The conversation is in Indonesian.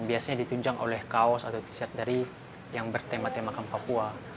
biasanya ditunjang oleh kaos atau t shirt dari yang bertema tema kamp papua